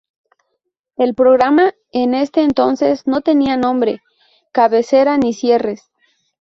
El programa en ese entonces no tenía nombre, cabecera ni cierres.